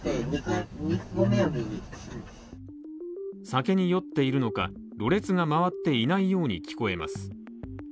酒に酔っているのか、ろれつが回っていないように聞こえます。